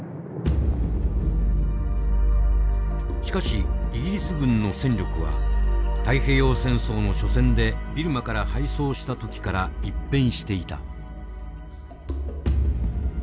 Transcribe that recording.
しかしイギリス軍の戦力は太平洋戦争の緒戦でビルマから敗走した時から一変していた。